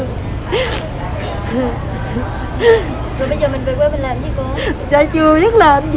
rồi bây giờ mình về quê mình làm gì cô